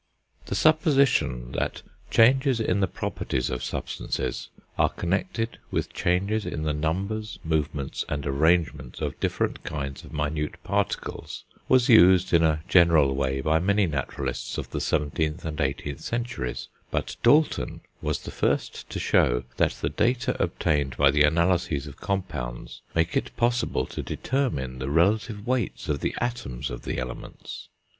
The supposition that changes in the properties of substances are connected with changes in the numbers, movements, and arrangements of different kinds of minute particles, was used in a general way by many naturalists of the 17th and 18th centuries; but Dalton was the first to show that the data obtained by the analyses of compounds make it possible to determine the relative weights of the atoms of the elements.